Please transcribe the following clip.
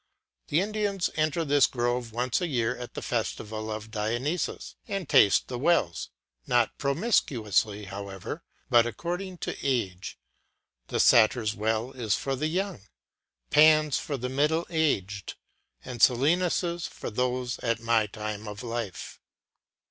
The Indians enter this grove once a year at the festival of Dionysus, and taste the wells, not promiscuously, however, but according to age; the satyrs' well is for the young, Pan's for the middle aged, and Silenus's for those at my time of life.